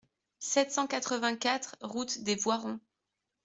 sept cent quatre-vingt-quatre route des Voirons